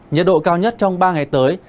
nhiệt độ cao nhất trong ba ngày tới